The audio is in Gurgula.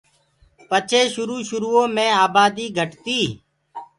پڇي شروُ شروٚئو مي آباديٚ گھٽ تيٚ۔